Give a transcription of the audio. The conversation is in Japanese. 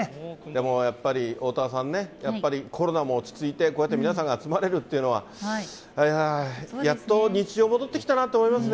でもやっぱりおおたわさんね、やっぱりコロナも落ち着いて、こうやって皆さんが集まれるっていうのは、やっと日常戻ってきたなと思いますね。